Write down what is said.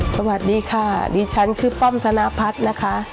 สวัสดีค่ะดิฉันชื่อป้อมธนพัฒน์นะคะ